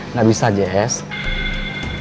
nggak bisa jess